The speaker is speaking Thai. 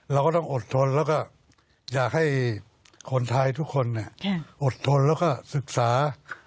เราก็ต้องอดทนแล้วก็อยากให้คนไทยทุกคนอดทนแล้วก็ศึกษา